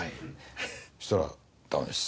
そしたら「ダメです。